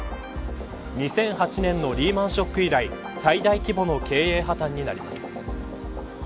２００８年のリーマンショック以来最大規模の経営破綻になります。